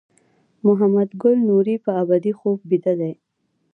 محمد ګل نوري په ابدي خوب بیده دی.